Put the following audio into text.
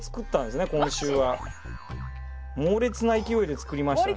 猛烈な勢いで作りましたね。